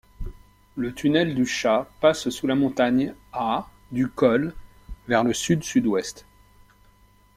Le tunnel du Chat passe sous la montagne à du col, vers le sud-sud-ouest.